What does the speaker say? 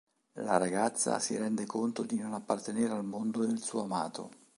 La ragazza si rende conto di non appartenere al mondo del suo amato.